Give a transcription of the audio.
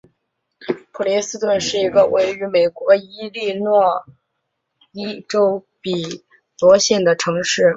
普林斯顿是一个位于美国伊利诺伊州比罗县的城市。